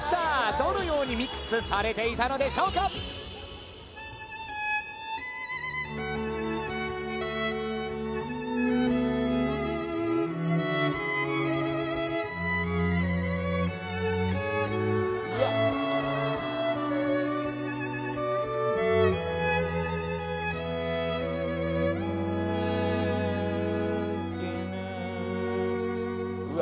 どのようにミックスされていたのでしょうかうわ